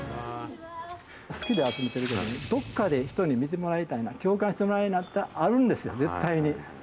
好きで集めてるけどね、どっかで人に見てもらいたいな、共感してもらいたいなってあるんですよ、絶対に。